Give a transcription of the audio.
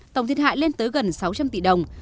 tổng thiệt hại lên tới gần sáu trăm linh tỷ đồng